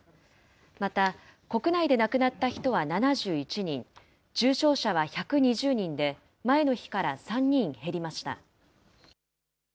また国内で亡くなった人は７１人、重症者は１２０人で、前の日から３人減りました。